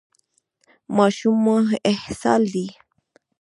ماشوم مو اسهال دی؟